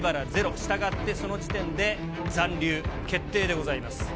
したがって、その時点で残留決定でございます。